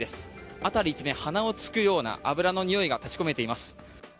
辺り一面、鼻を突くような油のにおいが立ち込めています。